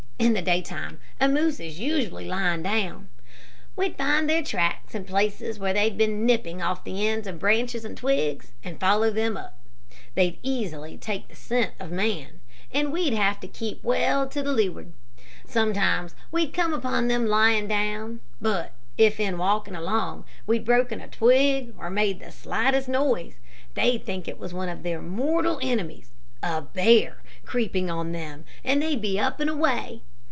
In the daytime a moose is usually lying down. We'd find their tracks and places where they'd been nipping off the ends of branches and twigs, and follow them up. They easily take the scent of men, and we'd have to keep well to the leeward. Sometimes we'd come upon them lying down, but, if in walking along, we'd broken a twig, or made the slightest noise, they'd think it was one of their mortal enemies, a bear creeping on them, and they'd be up and away.